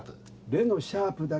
「レ」のシャープだ。